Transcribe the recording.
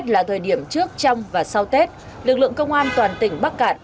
là thời điểm trước trong và sau tết lực lượng công an toàn tỉnh bắc cạn